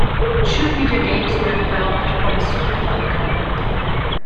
Two video games were developed for the Super Famicom.